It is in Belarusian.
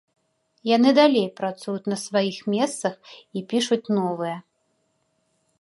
Яны далей працуюць на сваіх месцах і пішуць новыя.